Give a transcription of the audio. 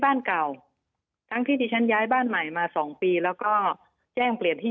บ้านเก่าทั้งที่ที่ฉันย้ายบ้านใหม่มาสองปีแล้วก็แจ้งเปลี่ยนที่